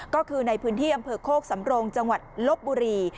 ก็คือในพื้นที่อำเภอโคกสำโรงจังหวัดลบบุรี